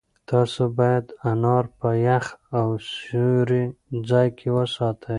تاسو باید انار په یخ او سیوري ځای کې وساتئ.